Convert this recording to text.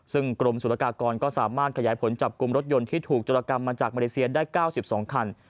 ซึ่งกรมศุลกากรก็สามารถขยายผลจับกลุ่มรถยนต์ที่ถูกจรกรรมมาจากมาเลเซียได้๙๒คัน